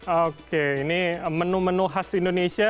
oke ini menu menu khas indonesia